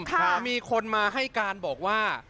มีคนมาให้การบอกว่า